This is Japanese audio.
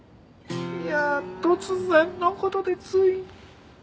いやあ突然の事でつい。